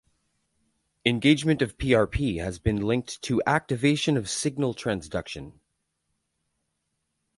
Engagement of PrP has been linked to activation of signal transduction.